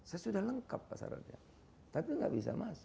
saya sudah lengkap pak sarantia